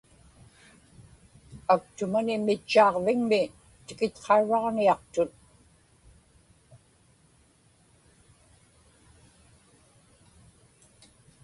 aktumani mitchaaġvigmi tikitqaurraġniaqtut